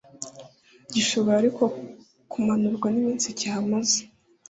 Gishobora ariko kumanurwa n’iminsi kihamaze